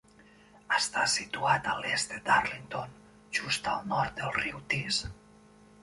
Està situat a l'est de Darlington, just al nord del riu Tees.